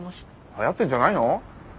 はやってんじゃないの？